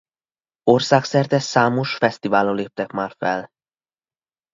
Országszerte számos fesztiválon léptek már fel.